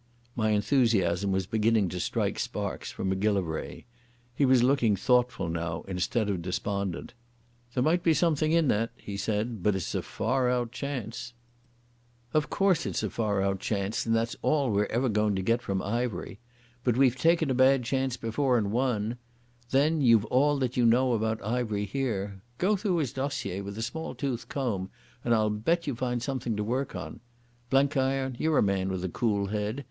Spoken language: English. My enthusiasm was beginning to strike sparks from Macgillivray. He was looking thoughtful now, instead of despondent. "There might be something in that," he said, "but it's a far out chance." "Of course it's a far out chance, and that's all we're ever going to get from Ivery. But we've taken a bad chance before and won.... Then you've all that you know about Ivery here. Go through his dossier with a small tooth comb and I'll bet you find something to work on. Blenkiron, you're a man with a cool head.